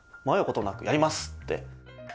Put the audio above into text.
迷うことなく「やります」って。